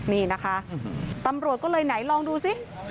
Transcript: นี่นะคะตำรวจก็เลยไหนลองดูสิ